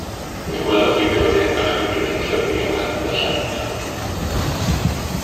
Fe welwch chi goeden fach hyfryd yn tyfu yng nghanol y llannerch yna.